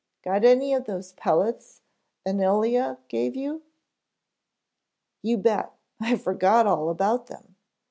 Got any of those pellets Ynilea gave you " "You bet, I forgot all about them."